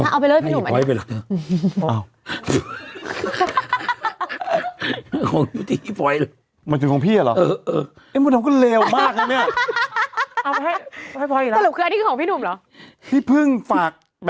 เอาไปเลยพี่หนุ่มอันนี้อ้าว